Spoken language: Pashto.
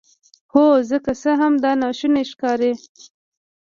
هو زه که څه هم دا ناشونی ښکاري